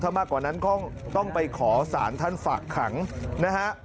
มากกว่านั้นก็ต้องไปขอสารท่านฝากขังนะฮะ